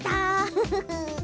フフフ。